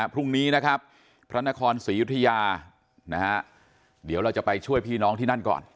พรุ่งนี้นะครับพระนครศรียุธยานะฮะเดี๋ยวเราจะไปช่วยพี่น้องที่นั่นก่อน